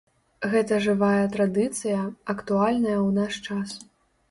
Гэта жывая традыцыя, актуальная ў наш час.